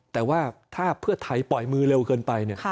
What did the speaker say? แต่ว่าถ้าเพื่อไทยปล่อยมือเร็วเกินไป